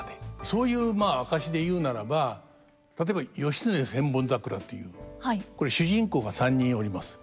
そういう証しで言うならば例えば「義経千本桜」というこれ主人公が３人おります。